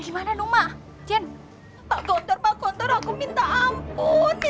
gimana dong emak jen pak kontor pak kontor aku minta ampun